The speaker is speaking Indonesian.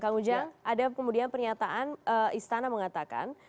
kang ujang ada kemudian pernyataan istana mengatakan